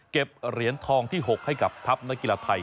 เหรียญทองที่๖ให้กับทัพนักกีฬาไทย